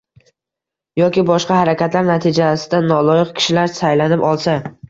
yoki boshqa harakatlar natijasida noloyiq kishilar saylanib olsa